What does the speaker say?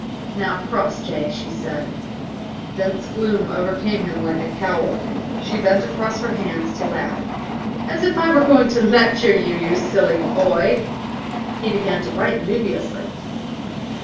"Now, Crossjay," she said. Dense gloom overcame him like a cowl. She bent across her hands to laugh. "As if I were going to lecture you, you silly boy!" He began to brighten dubiously.